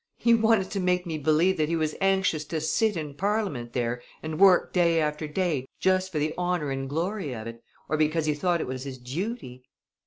He wanted to make me believe that he was anxious to sit in Parliament there and work day after day just for the honor and glory of it, or because he thought it was his duty.